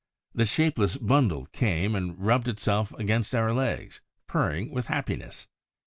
The shapeless bundle came and rubbed itself against our legs, purring with happiness.